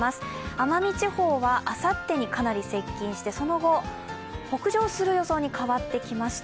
奄美地方はあさってにかなり接近してその後、北上する予想に変わってきました。